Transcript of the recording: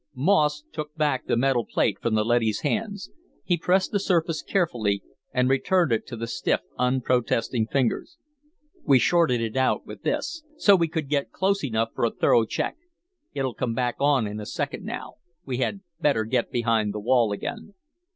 Moss took back the metal plate from the leady's hands. He pressed the surface carefully and returned it to the stiff, unprotesting fingers. "We shorted it out with this, so we could get close enough for a thorough check. It'll come back on in a second now. We had better get behind the wall again."